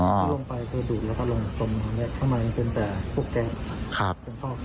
ทำไมครับ